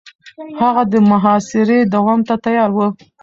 هغه د محاصرې دوام ته تيار و.